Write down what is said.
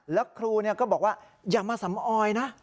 แล้วครูก็บอกว่าอย่ามาสำออยนะ